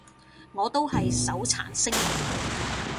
我都係手殘星人